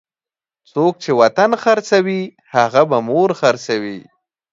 څوک چې وطن خرڅوي هغه به مور خرڅوي.